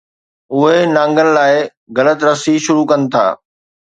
اهي نانگن لاءِ غلط رسي شروع ڪن ٿا.